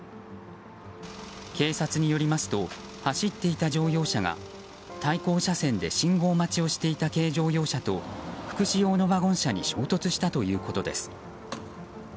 警察によりますと走っていた乗用車が対向車線で信号待ちをしていた軽乗用車と福祉用のワゴン車に衝突したということです。